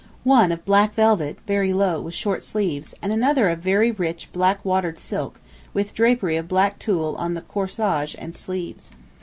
One of black velvet, very low, with short sleeves, and another of very rich black watered silk, with drapery of black tulle on the corsage and sleeves.